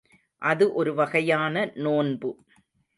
அது ஒரு வகையான நோன்பு.